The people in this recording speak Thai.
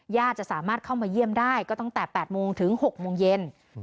จะสามารถเข้ามาเยี่ยมได้ก็ตั้งแต่๘โมงถึง๖โมงเย็น